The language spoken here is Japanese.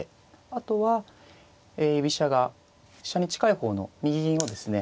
あとは居飛車が飛車に近い方の右銀をですね